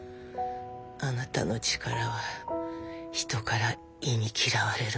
あなたの力は人から忌み嫌われるの。